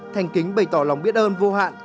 thành kính bày tỏ lòng biết ơn vô hạn